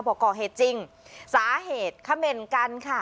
บอกก่อเหตุจริงสาเหตุเขม่นกันค่ะ